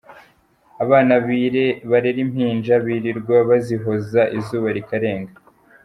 Abana barera impinja birirwa bazihoza izuba rikarenga.